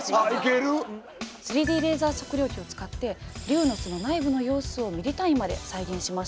３Ｄレーザー測量機を使って「龍の巣」の内部の様子をミリ単位まで再現しました。